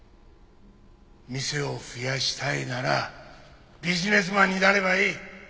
店を増やしたいならビジネスマンになればいい。